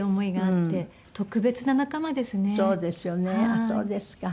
あっそうですか。